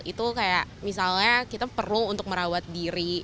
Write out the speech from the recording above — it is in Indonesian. itu kayak misalnya kita perlu untuk merawat diri